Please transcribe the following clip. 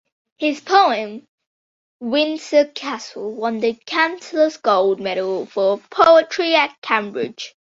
His poem "Windsor Castle" won the Chancellor's Gold Medal for poetry at Cambridge.